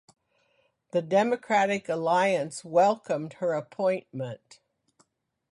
The Democratic Alliance welcomed her appointment.